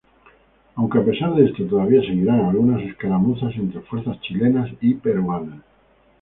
Aunque a pesar de esto todavía seguirían algunas escaramuzas entre fuerzas chilenas y peruanas.